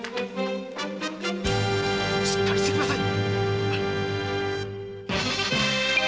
しっかりしてください！